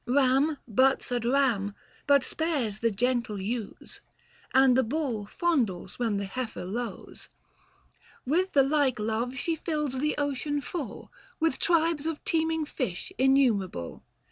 Earn butts at ram, but spares the gentle ewes, And the bull fondles when the heifer lows. Book IV. THE FASTI. 105 With the like love she fills the ocean Ml, With tribes of teeming fish innumerable.